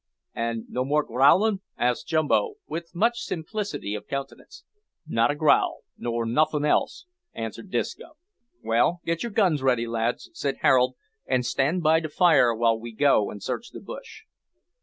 "An' no more growlin'?" asked Jumbo, with much simplicity of countenance. "Not a growl, nor nothin' else," answered Disco. "Well, get your guns ready, lads," said Harold, "and stand by to fire while we go and search the bush."